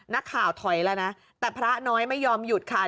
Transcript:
นักข่าวถอยแล้วนะแต่พระน้อยไม่ยอมหยุดค่ะ